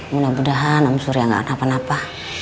mudah mudahan om surya enggak ada penapa